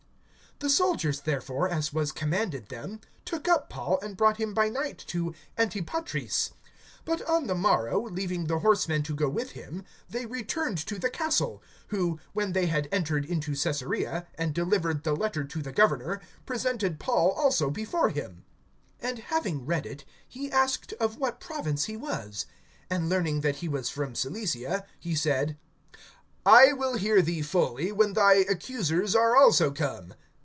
(31)The soldiers, therefore, as was commanded them, took up Paul, and brought him by night to Antipatris. (32)But on the morrow, leaving the horsemen to go with him, they returned to the castle; (33)who, when they had entered into Caesarea, and delivered the letter to the governor, presented Paul also before him. (34)And having read it, he asked of what province he was. And learning that he was from Cilicia, (35)he said: I will hear thee fully, when thy accusers are also come.